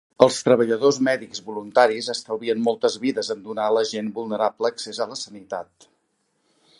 Els treballadors mèdics voluntaris estalvien moltes vides en donar a la gent vulnerable accés a la sanitat